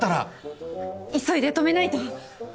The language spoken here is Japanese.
急いで止めないと。